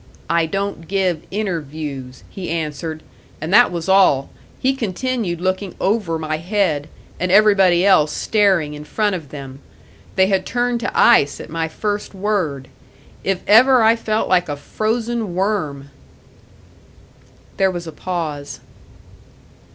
'I don't give interviews,' he answered; and that was all he continued looking over my head, and everybody else staring in front of them. They had turned to ice at my first word. If ever I felt like a frozen worm!" There was a pause.